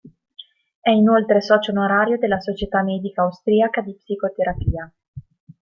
È inoltre socio onorario della Società Medica Austriaca di Psicoterapia.